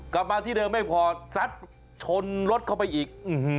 กลับมาที่เดิมไม่พอซัดชนรถเข้าไปอีก